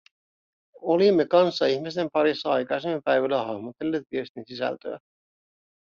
Olimme kanssaihmisten parissa aikaisemmin päivällä hahmotelleet viestin sisältöä.